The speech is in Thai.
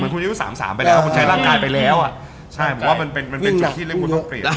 มันคุณอายุ๓๓ไปแล้วคุณใช้ร่างกายไปแล้วมันเป็นจุดที่เรียบพูคงต้องเปลี่ยน